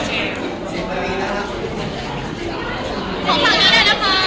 ที่เจนนี่ของกล้องนี้นะคะ